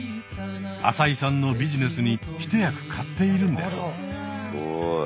浅井さんのビジネスに一役買っているんです。